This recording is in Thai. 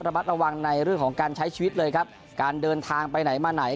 มัดระวังในเรื่องของการใช้ชีวิตเลยครับการเดินทางไปไหนมาไหน